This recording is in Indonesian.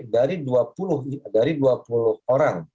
dari dua puluh orang